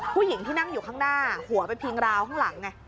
ผู้หญิงที่นั่งอยู่ข้างหน้าหัวไปพิงราวข้างหลังไง